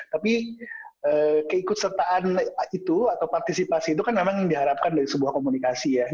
tapi keikut sertaan itu atau partisipasi itu kan memang diharapkan dari sebuah komunikasi ya